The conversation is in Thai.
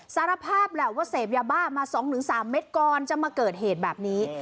สารภาพแหละว่าเสพยาบ้ามา๒๓เม็ดก่อนจะมาเกิดเหตุแบบนี้